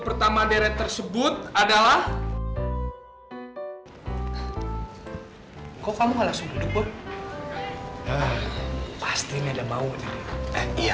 pertama deret tersebut adalah kok kamu nggak langsung duduk boy pastinya ada maunya eh iya